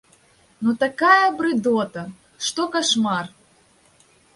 Ну такая брыдота, што кашмар.